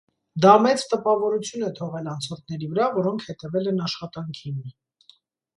Դա մեծ տպավորություն է թողել անցորդների վրա, որոնք հետևել են աշխատանքին։